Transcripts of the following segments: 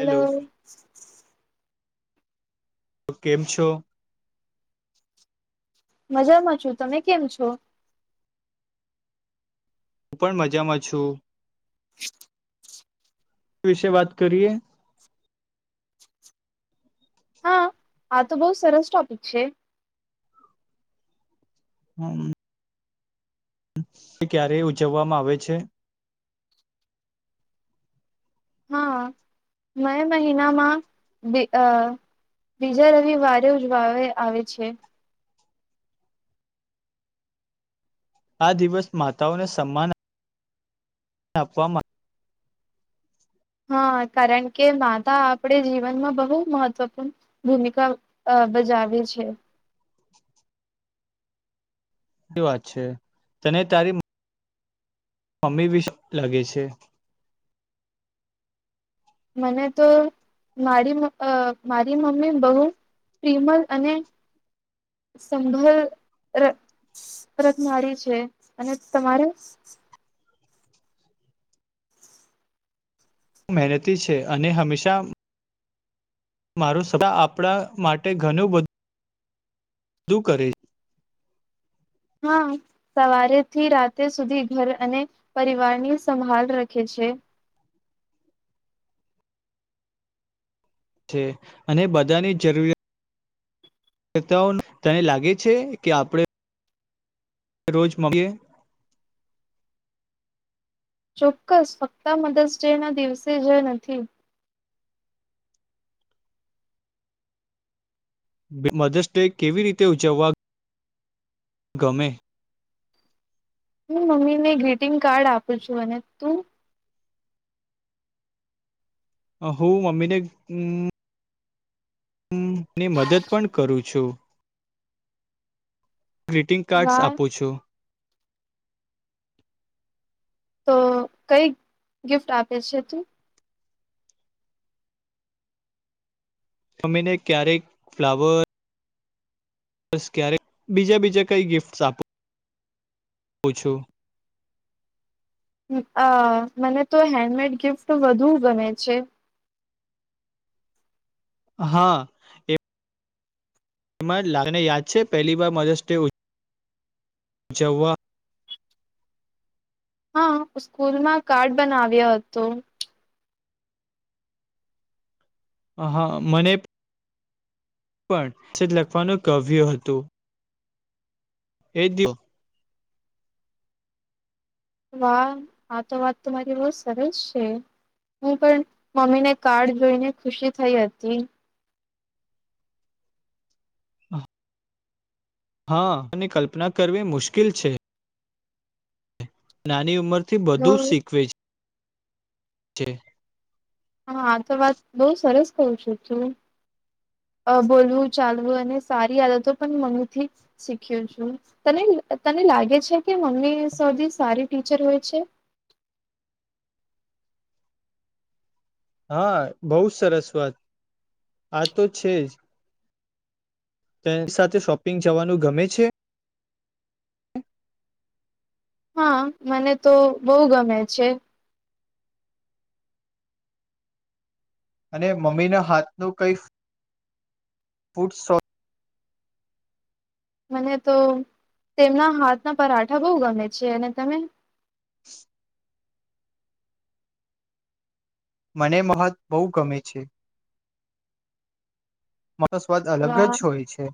Hello તો કેમ છો? મજામાં છું તમે કેમ છો? હું પણ મજામાં છું. વિશે વાત કરીએ. આા તો બહુ સરસ ટોપિક છે. [inaudible] એ ક્યારે ઉજવવામાં આવે છે હા મે મહિનામાં બે બીજા રવિવારે ઉજવાવે આવે છે. આ દિવસ માતાઓને સન્માન આપવામાં હા કારણ કે માતા આપણે જીવનમાં બહુ મહત્વપૂર્ણ ભૂમિકા અ બજાવે છે. સાચી વાત છે તને તારી મમ્મી વિશે શું લાગે છે? મને તો મારી અ મારી મમ્મી બહુ પ્રિમલ અને સંભલ [unintelligible] છે અને તમારે? મહેનતી છે અને હંમેશા મારું સદા આપણા માટે ઘણું બધું બધું કરે છે. હા સવારે થી રાતે સુધી ઘર અને પરિવારની સંભાળ રખે છે. છે અને બધાની જરૂરિયાત [unintelligible] તને લાગે છે કે આપડે રોજ [unintelligible] ચોક્કસ ફક્ત મદર્સ ડેના દિવસે જ નથી મધર્સ ડે કેવી રીતે ઉજવવા ગમે હું મમ્મી ને ગ્રીટિંગ કાર્ડ આપું છું અને તું અ હું મમ્મીને ની મદદ પણ કરું છું. ગ્રીટિંગ કાર્ડ્સ વાહ આપું છો. તો કઈ ગિફ્ટ આપે છે તું તમેને ક્યારેક ફ્લાવર બસ ક્યારે બીજા બીજા કઈ ગિફ્ટ આ પૂ છું. અ મને તો હેન્ડમેડ ગિફ્ટ વધુ ગમે છે. હા [unintelligible] તને યાદ છે પહેલી વાર મધર્સ ડે ઉજવવા હા સ્કૂલમાં કાર્ડ બનાવ્યો હતો. હ હા મને પણ છે લખવાનું કવ્ય હતું એ દિવ વાહ આ તો વાત તમા મારી બહ સરસ છે. હું પણ મમ્મી ને કાર્ડ જોઈને ખુશી થઈ હતી. હા અને કલ્પના કરવી મુશ્કેલ છે. નાની ઉંમર થી બધું શીખવે છે. હા આ તો વાત બઉુ સરસ કઉ છું તું. અ બોલવું ચાલવું અને સારી આદતો પણ મમ્મી થી શીખ્યું છું તને તને લાગે છે કે મમ્મી સૌથી સારી ટીચર હોય છે. હા બહુ સરસ વાત આ તો છે જ. તેની સાથે શોપિંગ જવાનું ગમે છે? હા મને તો બહુ ગમે છે. અને મમ્મી ના હાથ નું કઈ [unintelligible] મને તો તેમના હાથના પરાઠા બહુ ગમે છે અને તને મને મહત્ બહુ ગમે છે તો સ્વાદ અલગ જ વાહ હોય છે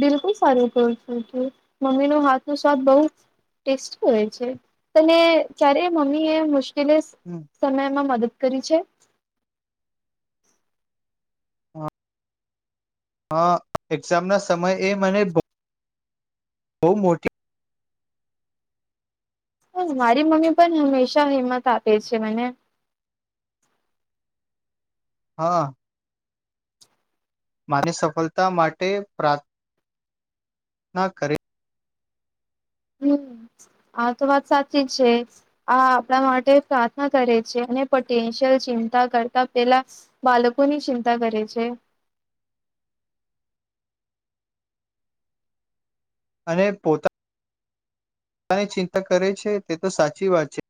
બિલકુલ સારું કરો છે મમ્મી ના હાથ નો સ્વાદ બઉ ટેસ્ટ હોય છે તને જ્યારે મમ્મી એ મુશ્કેલી હમ્મ સમયમાં મદદ કરી છે હા હ એક્ઝામ ના સમય એ મને બઉ મોટી મારી મમ્મી પણ હંમેશા હિંમત આપે છે મને હા મા ની સફળતા માટે પ્રા ના કરે હમ્મ આ તો વાત સાચી જ છે આ આપણા માટે પ્રાર્થના કરે છે અને પોટેન્શિયલ ચિંતા કરતા પેલા બાળકો ની ચિંતા કરે છે અને પોતા ની ચિંતા કરે છે તે તો સાચી વાત છે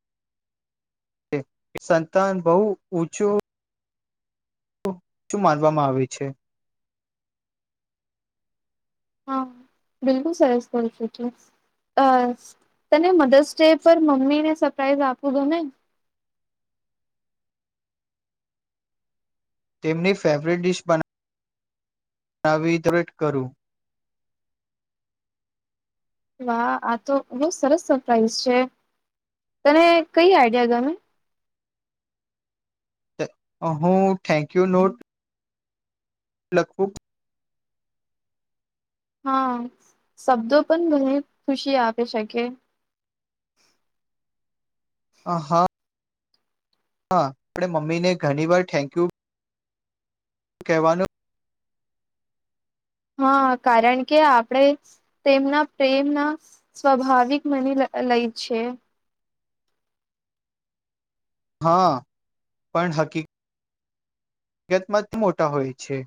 સંતાન બહુ ઊંચું માનવામાં આવે છે હા બિલકુલ સરસ કહો છો તો અ તને મધર્સ ડે પર મમ્મી ને સરપ્રાઈઝ આપવુ ગમે તેમની ફેવરેટ ડિશ બના નવી દટ કરું વાહ આ તો બહ સરસ સરપ્રાાઈઝ છે તને કઈ આઈડિયા ગમે હું થેન્કયુ નોટ લખવું હા શબ્દો પણ મને ખુશી આપી શકે આહા હા આપણે મમ્મી ને ઘણી વાર થેન્ક યુ કહેવાનું હા કારણ કે આપણેે તેમના પ્રેમ ના સ્વાભાવિક મની લઈ છે હા પણ હકીક હકીકતમાં મોટા હોય છે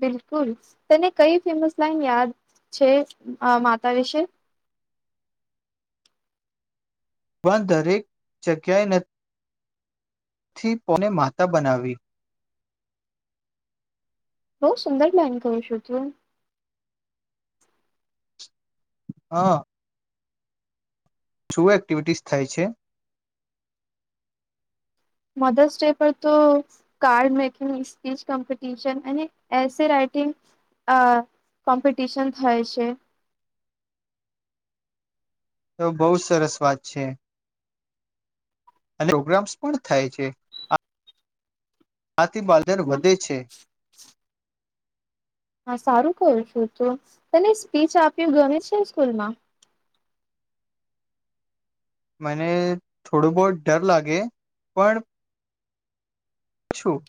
બિલકુલ તેને કઈ ફેમસ લાઈન યાદ છે માતા વિશે પણ દરેક જગ્યાએ નથી થી પોને માતા બનાવી બઉ સુંદર લાઈન કહુ છું તું હા શુ એક્ટિવિટીસ થાય છે મધર્ષ ડે પર તો કાર્ડ મેકિંગ સ્પીચ કમ્પટીશન અને એસે રાઇટિંગ અ કોમ્પિટિશન થાય છે તો બહુ સરસ વાત છે અને પ્રોગ્રામ્સ પણ થાય છે આથી બાલજન વધે છે. હા સારું કરું છું તું તને સ્પીચ આપ્યું ગમે છેને સ્કૂલ માં? મને થોડો બહુત ડર લાગે પણ શું?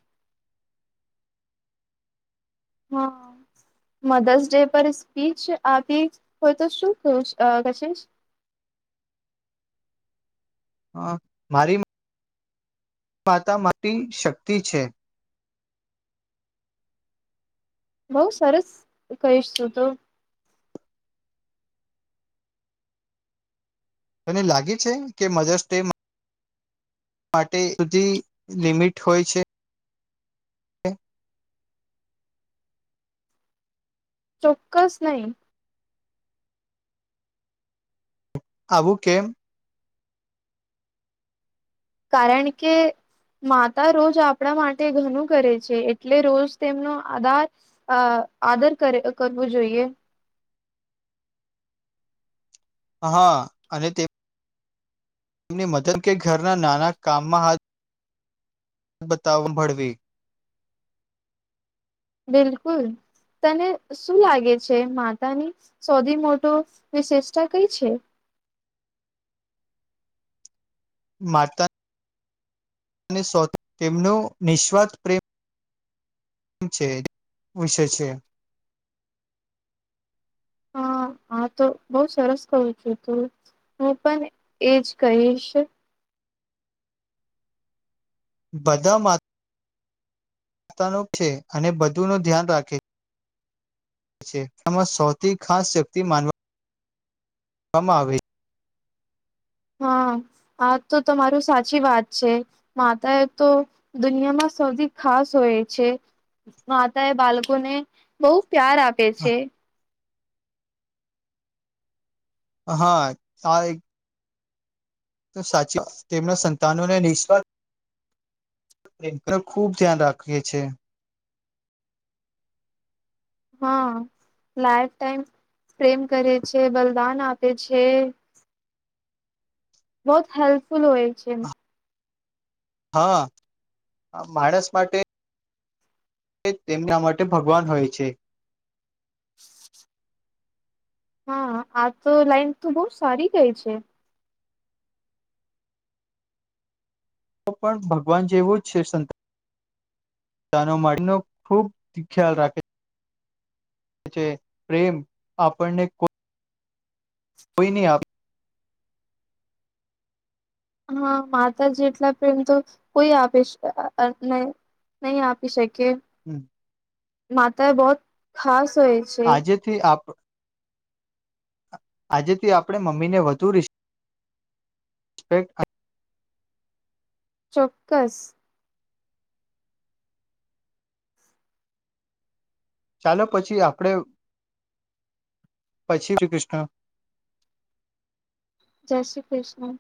હા. મધર્સ ડે પર સ્પીચ આપી હોય, તો શું કું કશીશ હ મારી માતા માટેટી શક્તિ છે. બઉુ સરસ કહીશ તું તો તને લાગે છે, કે મધર્સ ડે માટે બધી લિમિટ હોય છે. [inaudible] ચોક્કસ નહી આવું કેમ કારણ કે માતા રોજ આપણા માટે ઘણું કરે છે એટલે રોજ તેમનો આદાર અ આદર કરે કરવુ જોઈએ. હા અને તે તેમની મદદ કે ઘરના નાના કામમાં હાથ બતા ભળવી બિલકુલ તને શું લાગે છે માતાની સૌથી મોટો વિશેષતા કઈ છે. માતા તેમનો નિસ્વાર્થ પ્રેમ છે, વિષય છે. હા હા તો બઉ સરસ કહુ છુ, તુ હું પણ એજ કહીશ બધા મા ન છે, અને બધું નું ધ્યાન રાખે એમાં સૌથી ખાસ શક્તિ માન વામાં આવે છે. હા આ તો તમારુ સાચી વાત છે. માતાએ તો દુનિયામાં સૌથી ખાસ હોય છે. માતા એ બાળકોને બહુ પ્યાર આપે છે. હા સાર તો સાચી તેમના સંતાનોને નિઃસ્વાર્થ એ ખુબ ધ્યાન રાખીએ છીએ. હા લાઈફ ટાઈમ પ્રેમ કરે છે, બલિદાન આપે છે. બહત હેલ્પફુલ હોય છે. હા માણસ માટે તેમના માટે ભગવાન હોય છે. હા આ તો લાઈન તો બહુ સારી ગઈ છે. તો પણ ભગવાન જેવું જ છે, સંંત નો માટે ન ખુબ ખ્યાલ રાખે પ્રેમ આપણને કોઈ કોઈ નહી આપ હા માતા જેટલા પ્રેમ તો કોઈ આપે છે, નહી. નહી આપી શકે આપે માતા એ બહત ખાસ હોય. છે આજેથી આપ આજેથી આપડે મમ્મીને વધુ [inaudible] ચોક્કસ ચાલો પછી આપડે પછી શ્રી કૃષ્ણ જય શ્રી કૃષ્ણ